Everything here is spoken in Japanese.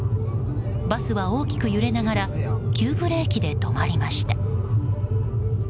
バスは大きく揺れながら急ブレーキで止まりました。